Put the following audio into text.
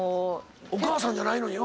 お母さんじゃないのに。